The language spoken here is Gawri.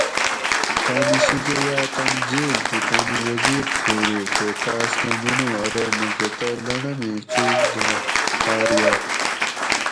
تانی شیکہۤ یا تن جیل تھی تانی وزیر چھورُو تے تاۤس کہ منو ارو مکہۤ تہ لڑم ایں چُوک دہ خاۤر یاگ